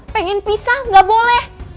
pengen pisah gak boleh